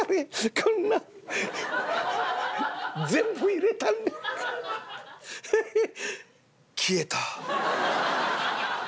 こんな全部入れたんねんヘヘッ消えた」。